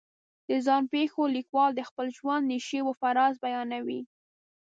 د ځان پېښو لیکوال د خپل ژوند نشیب و فراز بیانوي.